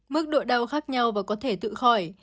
mức độ đau khác nhau và có thể tự khỏi